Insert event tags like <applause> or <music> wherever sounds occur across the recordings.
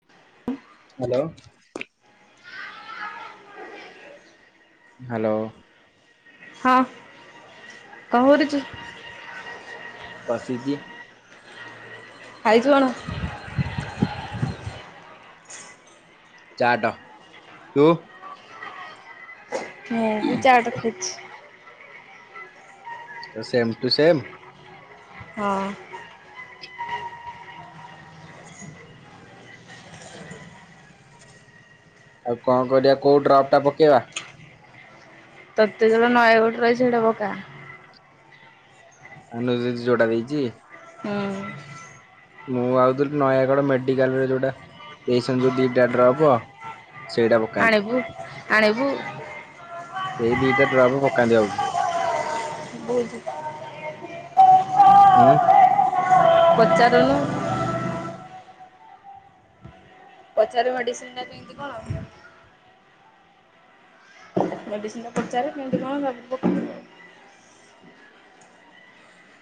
<unintelligible> Hello! Hello! ହଁ କଣ କରୁଛୁ? ବସିଛି। ଖାଇଛୁ କଣ? ଚାଟ, ତୁ? ମୁଁ ବି ଚାଟ ଖାଇଛି। Same to same? ହଁ। ଆଉ କଣ କରିବା କୋଉ ଡ୍ରପ୍ ଟା ପକେଇବା? ତତେ ଜଦି ନୟାଗଡ଼ରୁ ଆସିଛି ସେଇଟା ପକା। ଅନୁ ଦିଦି ଯୋଉଟା ଦେଇଛି। ହୁଁ। ମୁଁ ଭାବୁଥିଲି ନୟାଗଡ ମେଡିକାଲରେ ଯୋଉଟା ଦେଇଛନ୍ତି ଯୋଉ ଦିଟା ଡ୍ରପ। ସେଇଟା ପକାନ୍ତି, ଆଣିବୁ ଆଣିବୁ ସେଇ ଦିଟା ଡ୍ରପ ପକାନ୍ତି ଭାବୁଛି। <unintelligible> ହୁଁ ପଚାରୁନୁ? ପଚାରେ ମେଡିସିନ ନା କେମିତି କଣ? ମେଡିସିନ୍ ଟା ପଚାରେ କେମତି କଣ ଲାଗିବ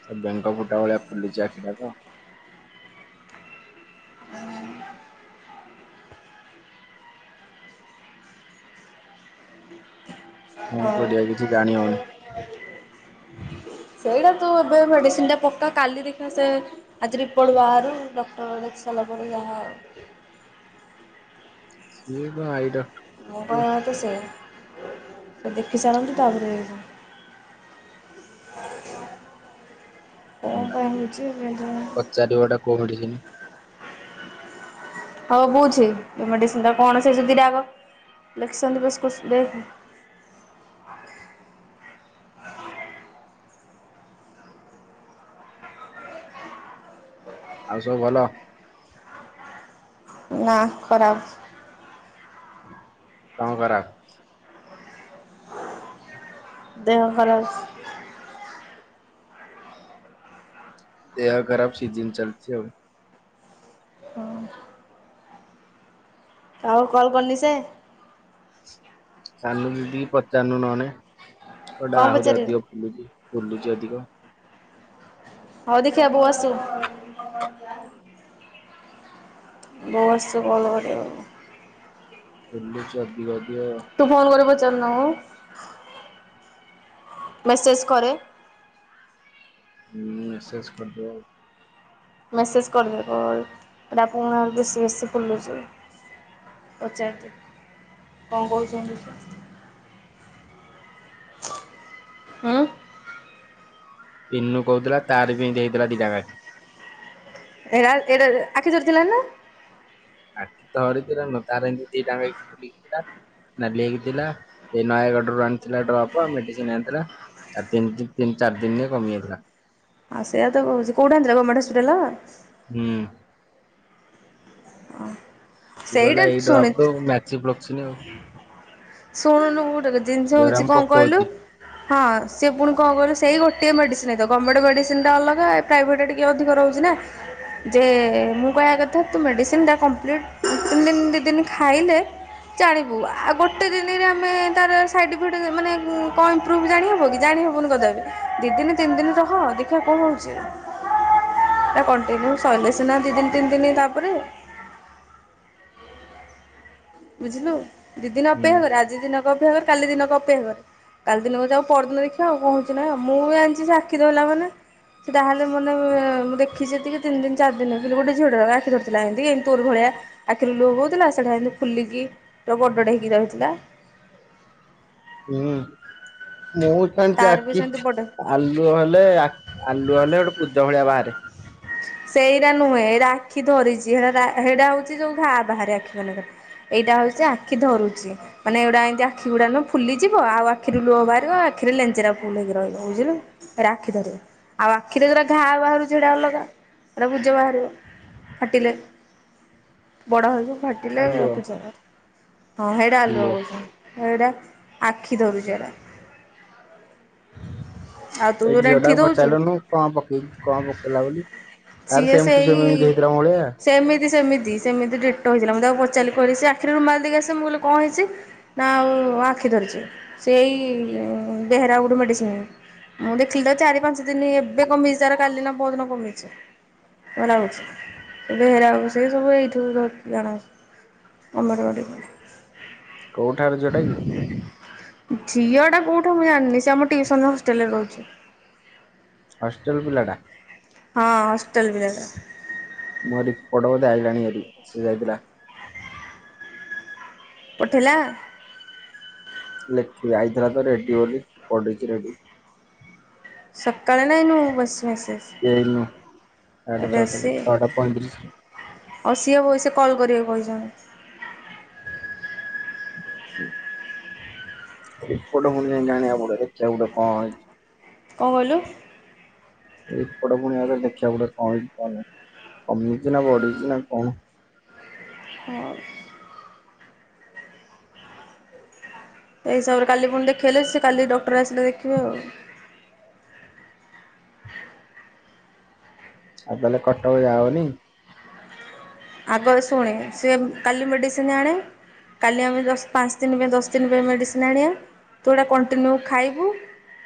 ସେ ବେଙ୍ଗ ଫୁଟା ଭଳିଆ ଫୁଲିଛି ଆଖିଟା ତ। କଣ ହଉ। କରିବା କିଛି ଜାଣି ହଉନି। ସେଇଟା ତୁ ଏବେ ମେଡିସିନ ଟା ପକା କାଲି ଦେଖା ସେ ଆଜି ରିପର୍ଟ ବାହାରୁ ଡକ୍ଟର ଦେଖି ସାରିଲା ପରେ ଯାହା ଠିକ ଆଇ ଡକ୍ଟର। ମ ଦେଖିବେ କଣ ତ ସେଇଆ ଦେଖି ସାରନ୍ତୁ ତାପରେ କଣ ପାଇଁ ହଉଛି କେଜାଣି। ପଚାରିବା ଟା କଉଠି? ହଉ ବହୁଛି ମେଡ଼ିସିନ ଟା କଣ ସେ ଯଦିଟାକ ଲେଖିଛନ୍ତି ବେଶ ଦେ ଆ। <inaudible> ଆଉ ସବୁ ଭଲ। ନା ଖରାପ। କଣ ଖରାପ? ଦେହ ଖରାପ। ଦେହ ଖରାପ ସିଜିନ ଚାଲଛି ଆଉ। ହଁ ଆଉ କଲ୍ କରିନି ସେ। ସାନୁ ଦିଦି ପଚାରୁଲୁନେ <unintelligible> କଣ ଆହୁରି ପଚାରିବେ ଅଧିକ ଫୁଲଛିି। ଫୁଲୁଛି ଅଧିକ। ହଉ ଦେଖିବା ବୁ ଆସୁ। ବଉ ଆସୁ କଣ କରିବା ଆଉ। ଫୁଲୁଛି ଅଧିକ ଅଧିକ। ତୁ ଫୋନ କରି ପଚାରୁନୁ। ମେସେଜ୍ କରେ। ଁ ମେସେଜ କରି ଦେଉ। ମେସେଜ୍ କରିଦେ କଲ୍ ଏଇଟା ପୁଣି ବେଶୀ ବେଶୀ ଫୁଲିଛି। ପଚାରି ଦେ କଣ କହୁଛନ୍ତି ସେ। ହୁଁ। ଇନୁ କହୁଥିଲା ତାର ବି ଦେଇଦେଲା। <unintelligible> ଏଟ ଏଟା ଆଖି ଚରିଥିଲା ନା। ଆଖି ତ ହରିିତ ତାର ଏମିତି ଦିଟା। <unintelligible> ଠିକ ଠାକ ଲାଲି ହେଇଥିଲା ସେ ନୟାଗଡ଼ ରୁ ଆଣିଥିଲା ଡ୍ରପ୍ ମେଡିସିନ ଆଣିଥିଲା। ଚାରି ତିନ ତିନି ଚାରି ଦିନରେ କମିଯାଇଥିଲା। ଆଉ ସେୟା ତ କଉଛି କୋଉଠା ଆଣିଥିଲା ଗଭର୍ଣମଣ୍ଟ ହପିଟାଲସ୍। ହୁଁ। ସେଇଟା ଗଲା ଏଇ ଶୁଣି ଡରପ୍ କୁ ମେଚି <unintelligible> ଆଉ। ଶୁଣୁନୁ ଗୋଟେ ଜିନିଷ ଜୋରାମ ହଉଛି କଣ କହିଲୁ। ପକଉଛି ହଁ ସିଏ ପୁଣି କଣ କିଲେ ସେଇ ଗୋଟିଏ ମେଡ଼ିସିନ ହେଇ ତ ଗମେଣ୍ଟ ମେଡ଼ିସିନଟା ଅଲଗା। ପ୍ରାଇଭେଟରେ ଟିକେ ଅଧିକ ରହୁଛି ନା। ଯେ ମୁଁ କହିବା କଥା ତୁ ମେଡ଼ିସିନ ଟା କମ୍ପ୍ଲିଟ୍ ତିନି ଦିନ ଦୁଇ ଦିନ ଖାଇଲେ ଜାଣିବୁ ଆଉ ଗୋ <inaudible> ଆମେ ତାର ସାଇ୍ ଇଫେକ୍ଟ ମାନେ କଣ ମ୍ପ୍ରୁଭ୍ ଜାଣିହେବ କି ଜାଣି ହେବନି କଦା ଏବେ। ଦି ଦିନ ତିନି ଦିନ ରହ ଦେଖିବା କଣ ହଉଛି। ହ। <inaudible> କଣ୍ଟିନ୍ୟୁ ସରିଲେ ସିନା ଦି ଦିନ ତିନି ଦିନ ତାପରେ ବୁଝିଲୁ ଦି ଦିନ ହୁଁ। ଅପେକ୍ଷା କର ଆଜି ଦିନ କ ଅପେକ୍ଷା କର କାଲି ଦିନ କ ଅପେକ୍ଷା କର। କାଲି ଦିନକୁ ଯ ଆଉ ପରଦିନ ଦେଖିବା ଆଉ କହୁୁଛି ନାହିଁଉ ମୁଁ ବି ଆଣିଛି ସାଖି ଦେଲା ବାଲା। ସେ ତାହେଲେ ମାନେ ମୁଁଖି ଯେତିିତିନ ଦିନ ଚାର ଦିନିଲ ଗୋଟେ ଝିଅଟା ବା ଆଖି ଧରଥିଲା ଏମିତି ଏମତୋର ଭଳିଆ, ଆଖିରୁ ଲୁହ ବହୁଉଥିଲା ସେଟା ଏତି ଫୁଲିକି ଗଡଡେ ହେଇକି ରହିଥିଲା, ହୁଁ ମୁଁ କାଣିଛି ତାର ବି ଆଖି, ସେମିତି ବଡ ଆଲୁ ହେଲେ ଆଖ୍ ଆଲୁ ହେଲେ ଗୋଟେ କୂଜ ଭଳିଆ ବାହାରେ, ସେଇଟା ନୁହେଁ ଏଇଟା ଆଖି ଧରିଛି ସେଟା ସେଇଟା ହଉଛି ଯୋଉ ଟା ବାହାରେ ଆଖି ମନେକରେ, ଏଇଟା ହଉଛି ଆଖି ଧରୁଛି ମାନେ ଏଇଡା ଏମତି ଆଖି ଗୁଡ଼ା ନୁ, ଫୁଲିଯିବ ଆଉ ଆଖିରୁ ଲୁହବହାର, ଆଖିରେ ଲେଞ୍ଚେରା ପୁଲ ହେକି ରହିବ ବୁଝିଲୁ ଏଇଟା ଆଖି ଧରିବ ଆଉ ଆଖିରେ ଯୁରା ଘା ବାହାରୁ ଛିଡା ଅଲଗା, ଏଟା ଭୂଜ ବାହାରିବ ଫାଟିଲେ ବଡ଼ ହେବ ଫାଟ୍ ଡିଲେଭ ଆଲୁଅ ରଖିଛ ହଁ ହେଇଡ଼ା ଆଲୁଆ ଆଲୁଅ। କହୁଛ, ଏଇଟା ଆଖି ଧରୁଛ ଏଟା, ଆଉ ତୁ ଯୋଉ ଏଣ୍ଠି ଦଉଛୁ, କଁ ପକେଇ କଣ ପକେଇଲା ବୋଲି ତାର ସେମ୍ ଟୁ ସେମ୍ ହେଇଥିଲା ଭଳିଆ, ସେମିତି-ସେମିତି-ସେମିତି ଡେଟଲ୍ ହେଇଥିଲା ମୁଁ ତାକୁ ପଚିଲିହିଲି ସେ ଆଖିରେରୁୁମାଲ୍ ଦେଇକିସ ମୁଁ କହିଲି କଁ ହେଇଛି, ନା ଆଉ ଆଖି ଧରିଛେ ସେଇ ଦେହରେ ଆଉ ଗୋଟେ ମେଡ଼ିସିନ୍, ମୁଁ ଦେଖିଲି ତ ଚାରି ପାଞ୍ଚ ଦିନ ଏବେ କମିଶିବାର କାଲି ନା ବହୁତ୍ ଦିନ କମିି, ଭଲ ହଉଛି ବେହେରା ଆ ସେ ସବୁ ଏଇଠିବୁ ଧର ଜଣାଛି, <unintelligible> କୋଉଠାରୁ ଝିଅଟା କି? ଝିଅଟା କେଉଁଠୁ ମୁଁ ଜାଣିନି ସେ ଆମ ଟିଉସନ ର ହଷ୍ଟେଲ୍ ରେ ରହୁଛି, ହଷ୍ଟେଲ୍ ପିଲାଟା? ହଁ ହଷ୍ଟେଲ ପିଲାଟା, ମୁଁ ଆରି ପଡ ବଧେ ଆଇଗଣି ଆରି ସେ ଯାଇଥିଲା, ପଠେଇଲା, ଲେଖିବି ଆଇଥିଲା ତ ରେଡ଼ି ବୋଲି ପଢେଇଛି ରେଡ଼ି, ସକାଳେ ନାଇଁନୁ ବସ୍ ମେସେଜ୍, ଏଇନୁ ସାଢ଼େ ଛଅଟା-ଛଅଟା ପଇଁତିରିଶ୍, ଆଉ ସିଏ ବଇସେ କଲ୍ କରିବେ ବହି ଜଣେ, ରିପଟ ପୁଣି ଯାଇକି ଆଜାଣିବା ପଡ଼ିବ ଦେଖିବାକୁ ଗୋଟେ କଣ ହେଇଛି, କଁ କହିଲୁ, ଏ ଏପଟ ପୁଣି ଆରେ ଦେଖିବାକୁ ଗଡ଼େ କଣ ହେଇଛି କନ କମେଇଛି ନା ବଢିଛି ନା କଣ, ହଉ, ତ ହିସାବରେ କାଲି ପୁଣି ଦେଖେଇଲେ ସେ କାଲି ଡକ୍ଟର ଆସିଲେ ଦେଖିବେ ଆଉ, ଆଉ ତାହେଲେ କଟକ ଯାଉ ହଉନି? ଆଗରେ ଶୁଣେ ସେମ୍ କଲି ବେଡ଼ିସିନିଆଣେ, କାଲି ଆମେ ଦଶ ପାଞ୍ଚ ଦିନ ପାଇଁ ଦଶ ଦିନ ପାଇଁ ମେଡ଼ିସିନ୍ ଆଣିବା ତୁଟା କଣ୍ଟିନ୍ୟୁ ଖାଇବୁ,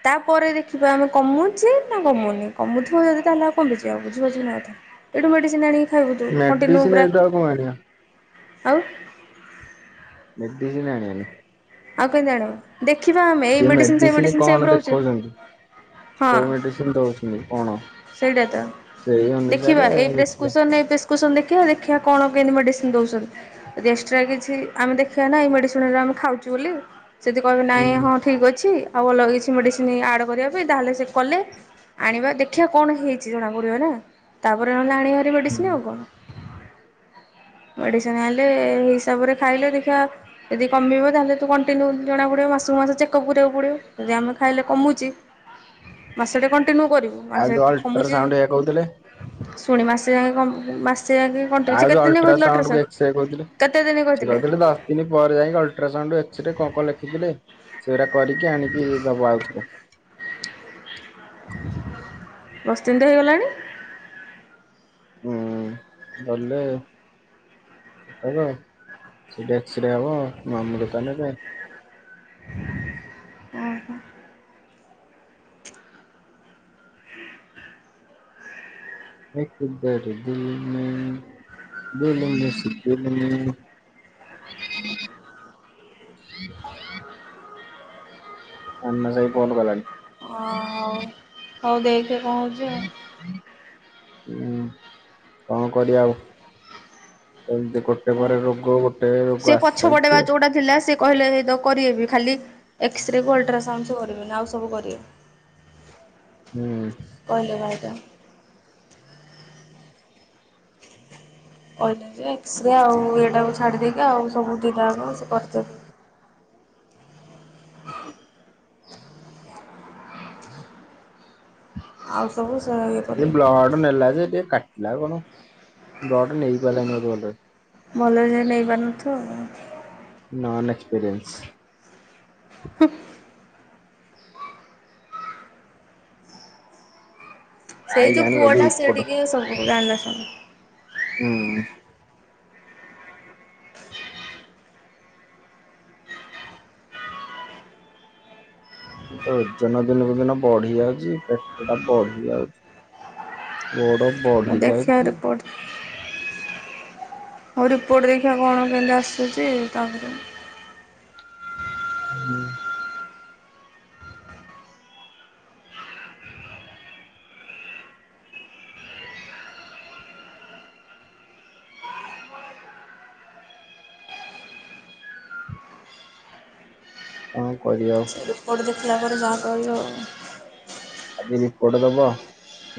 ତାପରେ ଦେଖିବା ଆମେ କମୁଛି ନା କମୁନି କମୁଥିବ ଯଦି ତାହେଲେ ଆଉ କମିଯିବା ବୁଝିପାରୁଛ ନା କଥା, ଏଇଠୁ ମେଡିସିନ ଆଣିକି ଖାଇବୁ ତୁ କଣ୍ଟିନ୍ୟୁ ମେଡିସିନ ପୁରା ଏଇଠୁ ଆଉ କଣ ଆଣିବା ଆଉ, <unintelligible> ଆଉ କେମିତି ଜାଣିବା ଦେଖିବା ଆମେ ଏଇ ସିଏ ମେସିନ୍ ସେଇ ମେଡିସିନ ମେସିନ୍ ସେ କଣ ରହୁଛେ, ଦେଖଉଛନ୍ତି। କୋଉ ମେଡ଼ିସିନ୍ ଦଉଛନ୍ତି କଣ? ସେଇଟା ତ ସେଇ ଅନୁସାରେ ଦେଖିବା ଏଇ ଦେଖିବା। ପ୍ରେସକ୍ରସଇ ଏତେ ସ୍, କୁ ସନ୍ ଦେଖିବା-ଦେଖିବା କଣ କେମିତି ମେଡ଼ିସିନ୍ ଦଉଛନ୍ତି, ଏକ୍ସଟ୍ରା କିଛି ଆମେ ଦେଖିବା ନାଁଈ ଏଇ ମେଡ଼ିସିନ୍ ଗୁରା ଆମେ ଖାଉଛୁ ବୋଲି ସେ ଜଦି କହିବେ ହୁଁ ନାଇଁ ହଁ, ଠିକ୍ ଅଛି ଆଉ ଅଲଗାକିଛି ମେଡ଼ିସିନ ଆଡ଼୍ କରିବା ପାଇଁ ତାହେଲେ ସେ କଲେ, ଆଣିବା ଦେଖିବା କଣ ହେଇଛି ଜଣାପଡିବ ନା ତାପରେ ନହେଲେ ଆଣିବା ହାରି ହୁଁ ମେଡିସିନ ଆଉ କଣ। ମେଡିସିନ ଆଇଁଲେ ହିସାବରେ ଖାଇଲେ ଦେଖିବା ଯଦି କମିବ ତାହେଲେ ତ କଣ୍ଟିନ୍ୟୁ ଜଣା ପଡ଼ିବ ମାସକୁ ମାସ ଚେକଅପ୍ କରିବାକୁ ପଡ଼ିବ ଯଦି ଆମେ ଖାଇଲେ କମୁଛି ମାସଟେ କଣ୍ଟିନ୍ୟୁ କରିବୁ ଆଉ ମାସେ ଯୋଉ କମୁଛି ଅଲଟ୍ରାସାଉଣ୍ଡ ଏଇଆ କହୁଥିଲେ ଶୁଣି ମାସେ ଯାଙ୍କେ କମ୍ ମାସେ ଯାଙ୍କେ ଆଉ ଯୋଉ ଅଲଟ୍ରାସାଉଣ୍ଡ କୁ ଏକ୍ସରେ କହୁଥିଲେ। କେତେ ଦିନ ସିଏ କହିଥିଲେ କଇଥିଲେ ଦଶ ଥିଲି ପରେ ଯାଇଁକି ଅଲଟ୍ରାସାଉଣ୍ଡ ଏକ୍ସରେ କଣ କଣ ଲେଖିଥିଲେ ସେଉରା କରିକି ଆଣିକି ବାବୁ ଆଉଥିଲେ। <unintelligible> ହେଇଗଲାଣି। ହୁଁ ଗଲେ? ସେଠି ଏକ୍ସିରେ ହବ ମାମୁ ଦୋକାନରେ। ଓ ହୋ ଏକ। ବାର ଦିଲ ନେ ଦିଲ୍ ମେ ସେ ଦିଲ ନେ। ମାନସ ଭାଇ ଫୋନ କଲାଣି। ଅ ହୋଉ ହୋଉ ଦେଖ କଣ ହୋଉଚି ଆଉ। <unintelligible> କଣ କରିବା ଆଉ <unintelligible> ଗୋଟେ ପରେ ରୋଗ ଗୋଟେ ରୋଇ ସେ ଆସି ପଛପଟେ ବା ସାରିଚି ଆଉ। ଯୋଉଟା ଥିଲା ସେ କହିଲେ ନି ତ କରିବେବି ଖାଲି ଏକ୍ସରେ କୁ ଅଲଟ୍ରାସାଉଣ୍ଡ ସେ କରିବେନି ଆଉ ସବୁ କରିବେ। ହୁଁ କହିଲେବା ଏଇଟା। ଅଲ୍ଟ୍ରା ଏକ୍ସରା ଆଉ ଇଏ ଟାକୁ ଛାଡ଼ି ଦେଇେଇକି ଆଉ ସବୁ ଦିଟା ଆଙ୍କ ସେ କରିଚନ୍ତି। ଆଉ ସବୁ ସେ ଏ କରିବେ। ବ୍ଲଡ଼ ନେଲା ଯେ ଟିକେ କଟିଲା ଆଉ କଣ ବ୍ଲଡ ନେଇପାରିଲା ନେଇ ବୋଧେ ଭଲରେ। ଭଲରେ ସିଏ ନେଇପାରୁ ନଥିବ। Non experience. ହୁଁ ସେଇ ଯୋଉ ଆଇଲାଣି ପୁଅ ବୋଧେ ଟା ସେ ଏପଟ ଟିକେ ସବୁ ଜାଣିଲା ସୁଣିଲା। ହୁଁ ମୁଁ ତ ଓଜନ ଦିନକୁ ଦିନ ବଢି ଯାଉଛି ପେଟ ଟା ବଢି ଯାଉଛି। ଓଡମ୍ ଦେଖିଆ ରିପୋର୍ଟ। ହୋଉ ରିପୋର୍ଟ ଦେଖିବା କଣ କେମିତି ଆସୁଛି ତାପରେ ହୁଁ କଣ କରିବା ଆଉ ସେ ରିପୋର୍ଟ ଦେଖିଲା ପରେ ଯାହା କହିବ ଆଉ। ଆଜି ରିପୋର୍ଟ ଦବ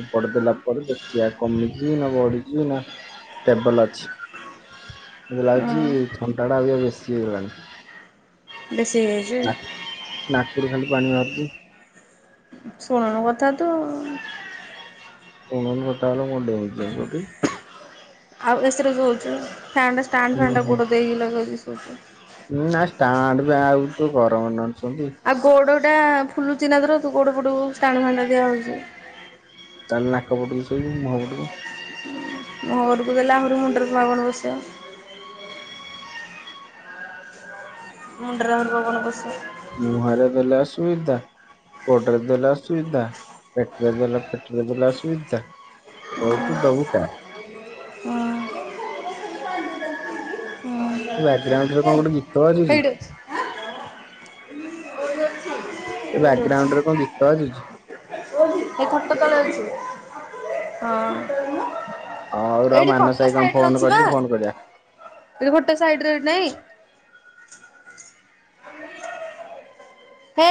ରିପୋର୍ଟ ଦେଲା ପରେ ଦେଖିବା କମିଛି ନା ବଢିଛି ନା ଷ୍ଟେବଲ ଅଛି ମତେ ଲାଗୁଛି ହଁ ଥଣ୍ଡା ଟା ଅବିକା ବେଶୀ ହେଇଗଲାଣି। ବେସି ହେଇଯାଇଛ ନା ନାକରୁ ଖାଲି ପାଣି ବାହାରୁଛି। ଶୁଣନ କଥା ତ ଆଉ। ସୁଣୁନୁ କଥା ଓରା ମୋର ଡେଉଁଚି ଓକେ। ଆଉ ଏସିରେ ରହୁଛ ଫ୍ୟାନ ଟା ଷ୍ଟାଣ୍ଡ ହୁଁ ଫ୍ୟାନ ଟା ହୁଁ। ଗୋଡ ଦେଇକି ଲଗେଇକି ସୋଉଚ। ନା ଷ୍ଟାଣ୍ଡ ଫ୍ୟା ଆଉ କଣ ଗରମ ନହନେ ସୁଅନ୍ତି। ଆଉ ଗୋଡଟା ଫୁଲୁଚିନା ତୋର। ତୁ ଗୋଡ ପଟୁ ଷ୍ଟାଣ୍ଡ ଫ୍ୟାନଟା ଦିଆହଉଚି। ତା ହେଲେ ନାକ ପଟକୁ ଶୋଇବୁ ମୁହଁ ପଟକୁ। ମୁଁ ଘରକୁ ଗଲେ ଆହୁରି ମୁଣ୍ଡରେ ପୁଣି ଆଉକଣ ପସେ। ମୁଣ୍ଡରେ ଆହୁରି କଣ କଣ ପସେ? ମୁଁହରେ ଦେଲେ ଅସୁବିଦା। ଗୋଡରେ ଦେଲେ ଅସୁବିଦା। ପେଟରେ ଦେଲେ ପାଟିରେ ଅସୁବିଦା। ଦଉଚୁ ତ ଦବୁ କଣ? ଉଁ। ବ୍ୟାଗ୍ରାଉଣ୍ଡରେ କଣ ଗୋଟେ ଗୀତ ବାଜୁଚି? <inaudible> ତୋ ବ୍ୟାଗ୍ରାଉଣ୍ଡରେ କଣ ଗୀତ ବାଜୁଛି? ସେଇ ଖଟ ତଳେ ଅଛି। ହଉ ରହ ଏଇଠି ମାନସ ଖଟ ଭାଇ କଣ ସାଇଡରେ ଫୋନ ଅଛି ବା। କରିଛି ଫୋନ କରିବା ଗୋଟେ ସାଇଡରେ ନାଇଁ? ସେଇଟି